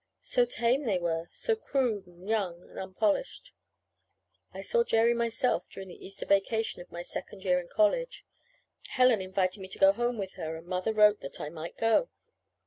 So tame they were so crude and young and unpolished! I saw Jerry myself during the Easter vacation of my second year in college. Helen invited me to go home with her, and Mother wrote that I might go.